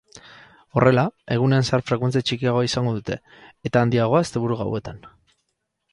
Horrela, egunean zehar frekuentzia txikiagoa izango dute, eta handiagoa asteburu gauetan.